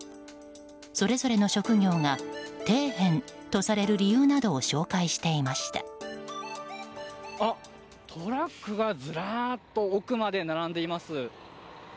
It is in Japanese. それぞれの職業が底辺とされる理由などをトラックがずらっと奥まで並んでいます。